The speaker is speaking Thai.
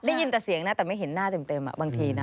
ได้ยินแต่เสียงนะแต่ไม่เห็นหน้าเต็มบางทีนะ